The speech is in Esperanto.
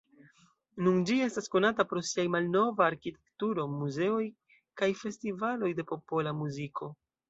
Nun ĝi estas konata pro siaj malnova arkitekturo, muzeoj kaj festivaloj de popola muziko.